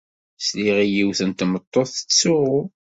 Sliɣ i yiwet n tmeṭṭut tettsuɣu.